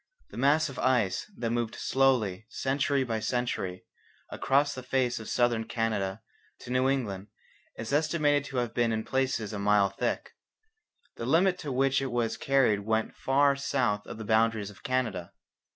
The mass of ice that moved slowly, century by century, across the face of Southern Canada to New England is estimated to have been in places a mile thick. The limit to which it was carried went far south of the boundaries of Canada.